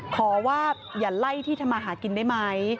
ขอว่าอย่าไล่ที่ทำมาหากินได้ไหม